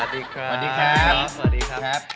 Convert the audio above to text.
พี่กอล์ฟอยากไปท้าเขาเลย